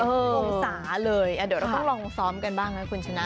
มองศาเลยเดี๋ยวเราต้องลองซ้อมกันบ้างนะคุณชนะ